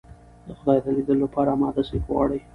د خدای د ليدلو لپاره اماده سئ که غواړئ.